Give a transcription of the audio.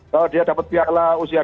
kalau dia dapat piala usia dua puluh tiga